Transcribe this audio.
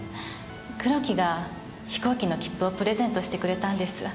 黒木が飛行機の切符をプレゼントしてくれたんです。